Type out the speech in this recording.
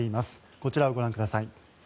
こちらをご覧ください。